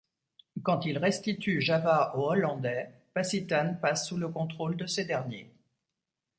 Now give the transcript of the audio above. Quand ils restituent Java aux Hollandais, Pacitan passe sous le contrôle de ces derniers.